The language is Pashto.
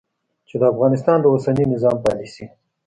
چې د افغانستان د اوسني نظام پالیسي